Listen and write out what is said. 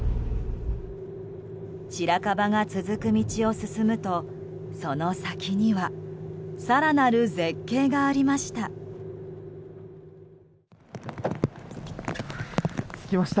白樺が続く道を進むとその先には更なる絶景がありました。